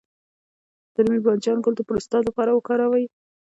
د رومي بانجان ګل د پروستات لپاره وکاروئ